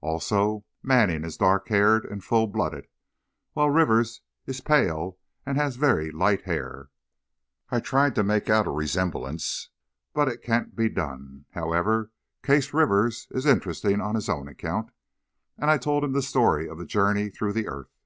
Also, Manning is dark haired and full blooded, while Rivers is pale and has very light hair. I tried to make out a resemblance, but it can't be done. However, Case Rivers is interesting on his own account;" and I told him the story of his journey through the earth.